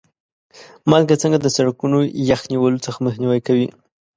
مالګه څنګه د سړکونو یخ نیولو څخه مخنیوی کوي؟